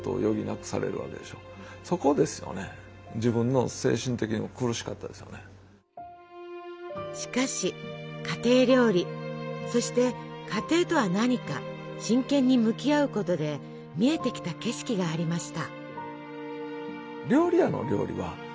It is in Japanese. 自分のしかし家庭料理そして家庭とは何か真剣に向き合うことで見えてきた景色がありました。